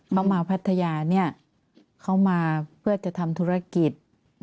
เขามาพัทยาเนี่ยเขามาเพื่อจะทำธุรกิจ